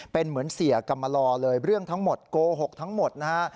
เป็นเหมือนเสียกรรมลอเลยเรื่องทั้งหมดโกหกทั้งหมดนะฮะ